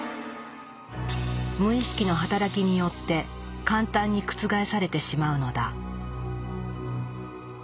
無意識の働きによって簡単に覆されてしまうのだ。